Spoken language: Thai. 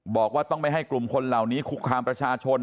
บอกว่าต้องไม่ให้กลุ่มคนเหล่านี้คุกคามประชาชน